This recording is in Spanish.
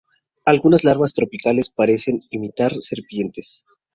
Algunas larvas tropicales parecen imitar serpientes.